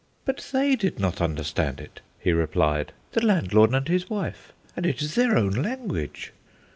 "But they did not understand it," he replied, "the landlord and his wife; and it is their own language."